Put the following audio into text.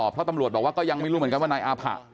เพราะตำรวจบอกว่าก็ยังไม่รู้เหมือนกันว่านายอาผะ